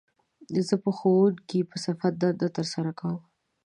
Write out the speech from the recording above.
زه به د ښوونکي په صفت دنده تر سره کووم